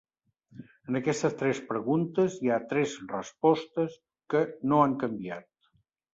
En aquestes tres preguntes hi ha tres respostes que no han canviat.